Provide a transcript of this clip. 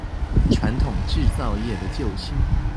傳統製造業的救星